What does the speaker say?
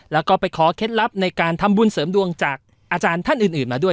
แล้วก็ไปขอเคล็ดลับในการทำบุญเสริมดวงจากอาจารย์ท่านอื่นมาด้วย